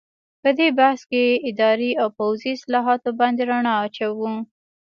په دې بحث کې اداري او پوځي اصلاحاتو باندې رڼا اچوو.